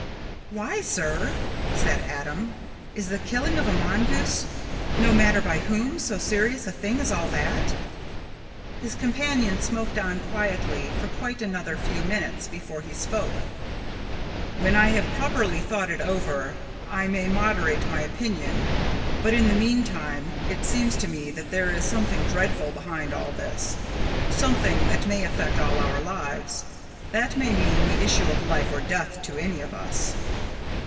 "Why, sir?" said Adam. "Is the killing of a mongoose no matter by whom so serious a thing as all that?" His companion smoked on quietly for quite another few minutes before he spoke. "When I have properly thought it over I may moderate my opinion, but in the meantime it seems to me that there is something dreadful behind all this something that may affect all our lives that may mean the issue of life or death to any of us."